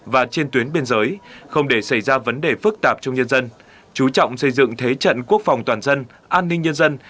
và trên tuyến biên giới không để xảy ra vấn đề phức tạp trong nhân dân chú trọng xây dựng thế trận quốc phòng toàn dân an ninh nhân dân